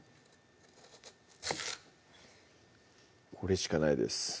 これしかないです